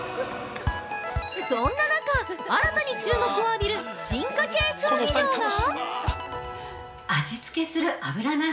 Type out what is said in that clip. そんな中、新たに注目を浴びる「進化系調味料」が。